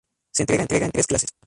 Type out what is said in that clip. Se entrega en tres clases.